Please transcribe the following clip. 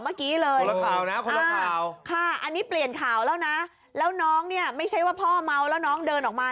ไปทางริมถนนเพชรกระเสม